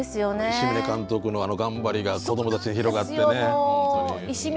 伊志嶺監督のあの頑張りが子どもたちに広がってね